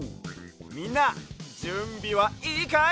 みんなじゅんびはいいかい？